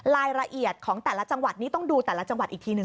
รายละเอียดของแต่ละจังหวัดนี้ต้องดูแต่ละจังหวัดอีกทีหนึ่ง